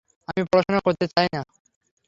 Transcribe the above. আমি পড়াশোনা করতে চাই না।